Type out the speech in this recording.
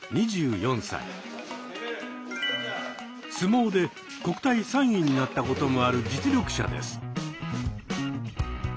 相撲で国体３位になったこともある実力者です。